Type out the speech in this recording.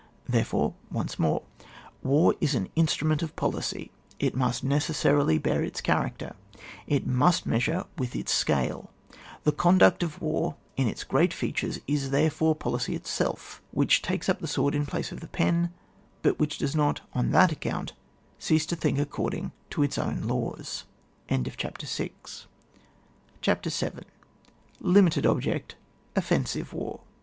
Therefore, once more: war is an instru ment of policy; it must necessarily bear its character, it must measure with its scale : the conduct of war,^ in its great features, is therefore policy itself, which takes up the sword in place of the pen, but does not on that account cease to think according to its own laws. CHAPTER VIL LIMITED OBJECT— OFFENSIVE WAR.